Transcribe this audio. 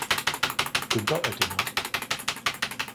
Günter Oettinger